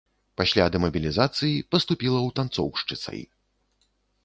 Пасля дэмабілізацыі, паступіла ў танцоўшчыцай.